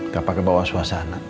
gak pake bawa suasana